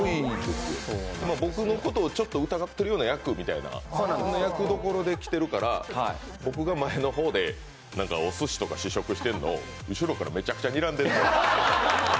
僕のことをちょっと疑ってるみたいな役という役どころで来ているから僕が前の方でおすしとかを試食してるのを後ろからめちゃくちゃ見てるのよ。